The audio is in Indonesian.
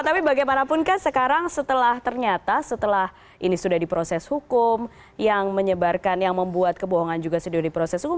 tapi bagaimanapun kan sekarang setelah ternyata setelah ini sudah diproses hukum yang menyebarkan yang membuat kebohongan juga sudah di proses hukum